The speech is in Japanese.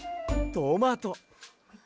トマト。